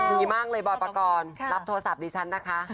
ดีมากเลยบอยปกรณ์รับโทรศัพท์ดิฉันนะคะ